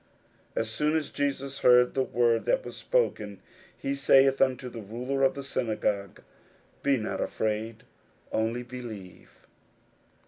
41:005:036 As soon as Jesus heard the word that was spoken, he saith unto the ruler of the synagogue, Be not afraid, only believe.